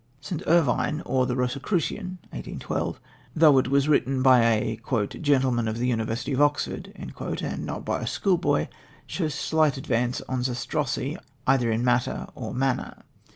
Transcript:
St. Irvyne: or the Rosicrucian (1811), though it was written by a "Gentleman of the University of Oxford" and not by a schoolboy, shows slight advance on Zastrozzi either in matter or manner.